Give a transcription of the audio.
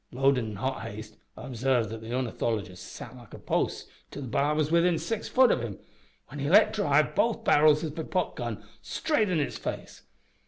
Loadin' in hot haste, I obsarved that the ornithologist sat like a post till that b'ar was within six foot of him, when he let drive both barrels of his popgun straight into its face.